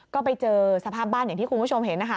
ก็ไปเจอสภาพบ้านอย่างที่คุณผู้ชมเห็นนะคะ